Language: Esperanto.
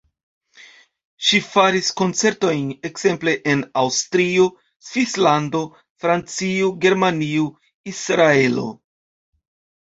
Ŝi faris koncertojn ekzemple en Aŭstrio, Svislando, Francio, Germanio, Israelo.